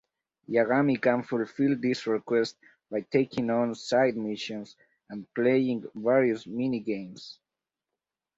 Yagami can fulfill these requests by taking on side missions and playing various minigames.